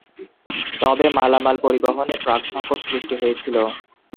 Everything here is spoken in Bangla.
তবে মালামাল পরিবহনে ট্রাকসংকট সৃষ্টি হয়েছিল।